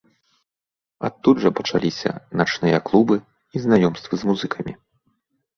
Адтуль жа пачаліся начныя клубы і знаёмствы з музыкамі.